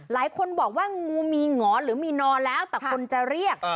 หลายคนบอกว่างูมีหงอนหรือมีนอนแล้วแต่คนจะเรียก